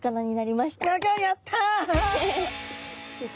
はい。